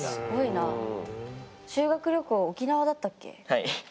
はい。